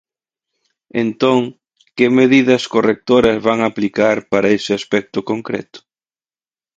Entón, ¿que medidas correctoras van aplicar para ese aspecto concreto?